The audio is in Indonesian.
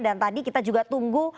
dan tadi kita juga tunggu